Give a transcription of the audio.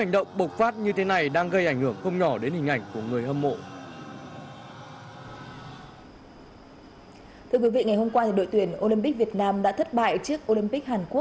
dù kết quả trận đấu sắp tới của olympic việt nam có như thế nào